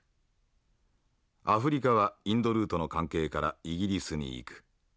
アフリカはインドルートの関係からイギリスに行く。